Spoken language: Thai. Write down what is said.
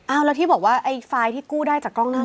เอาแล้วที่บอกว่าไอ้ไฟล์ที่กู้ได้จากกล้องหน้า